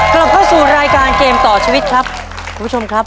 กลับเข้าสู่รายการเกมต่อชีวิตครับคุณผู้ชมครับ